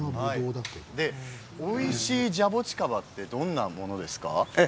おいしいジャボチカバってどんなものですか？